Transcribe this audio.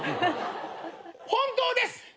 本当です。